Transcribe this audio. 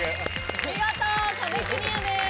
見事壁クリアです。